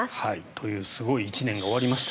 というすごい１年が終わりました。